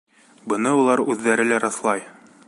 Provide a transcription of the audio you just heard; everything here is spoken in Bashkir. Быны улар үҙҙәре лә раҫлай.